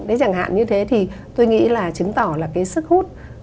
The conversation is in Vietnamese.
đấy chẳng hạn như thế thì tôi nghĩ là chứng tỏ là cái sức hút